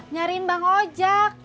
nyariin bang ojak